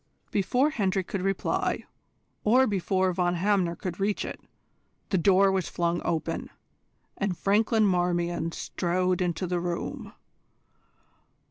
Before Hendry could reply, or before Von Hamner could reach it, the door was flung open, and Franklin Marmion strode into the room.